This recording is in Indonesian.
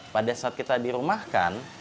pada saat kita dirumahkan